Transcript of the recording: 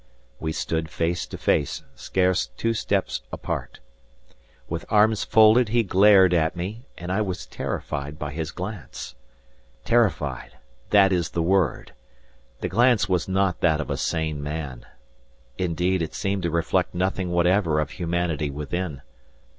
We stood face to face scarce two steps apart. With arms folded, he glared at me, and I was terrified by his glance. Terrified, that is the word! The glance was not that of a sane man. Indeed, it seemed to reflect nothing whatever of humanity within.